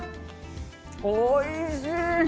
おいしい！